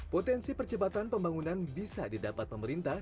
potensi percepatan pembangunan bisa didapat pemerintah